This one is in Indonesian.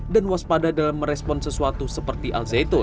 dan waspada dalam merespon sesuatu seperti al zaitun